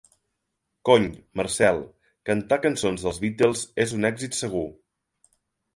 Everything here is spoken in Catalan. Cony, Marcel, cantar cançons dels Beatles és un èxit segur!